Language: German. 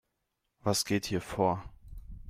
Was geht hier vor?